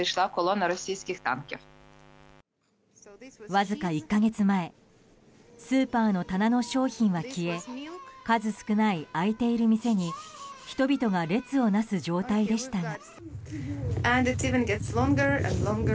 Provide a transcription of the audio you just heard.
わずか１か月前スーパーの棚の商品は消え数少ない開いている店に人々が列を成す状態でしたが。